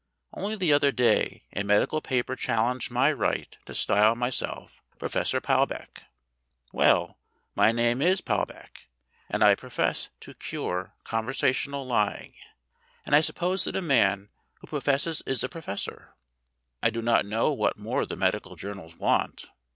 Only the other day a medical paper challenged my right to style myself Professor Palbeck. Well, my name is Palbeck, and I profess to cure conversational lying, and I suppose that a man who professes is a professor. I do not know what more the medical journals want.